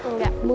ini ganjam gue